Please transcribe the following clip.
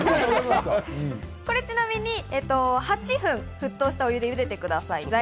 ちなみに８分、沸騰したお湯で茹でてください。